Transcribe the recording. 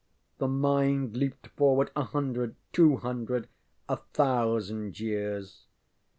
The mind leaped forward a hundred two hundred a thousand years.